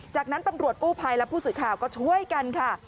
จากนั้นตำรวจกู้ภัยและผู้สื่อข่าวก็ช่วยกันค่ะ